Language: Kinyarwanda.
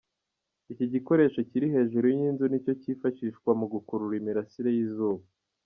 iki gikoresho kiri hejuru y'inzu nicyo kifashishwa mu gukurura imirasire y'izuba.